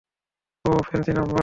Oh, fancy number.